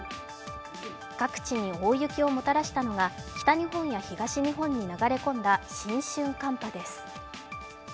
各地に大雪をもたらしたのは北日本や東日本に流れ込んだ新春寒波です。